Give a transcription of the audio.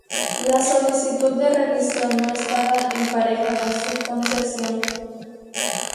La solicitud de revisión no llevaba aparejada su concesión.